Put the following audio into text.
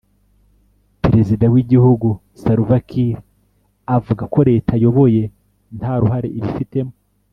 Perezida w’iki gihugu Salva Kiir avuga ko Leta ayoboye nta ruhare ibifitemo